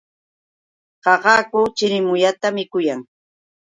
Qaqaku chirimuyata mikuyan.